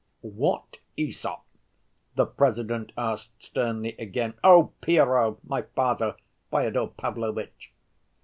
"What Æsop?" the President asked sternly again. "Oh, Pierrot ... my father, Fyodor Pavlovitch."